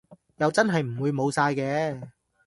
又真係唔會冇晒嘅